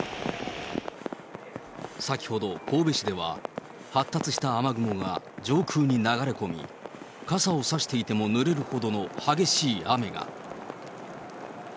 先ほど神戸市では、発達した雨雲が上空に流れ込み、傘を差していてもぬれるほどの激しい雨が。